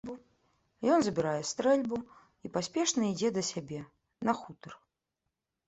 Ён забірае стрэльбу і паспешна ідзе да сябе, на хутар.